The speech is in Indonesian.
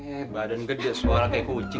eh badan gede suara kayak kucing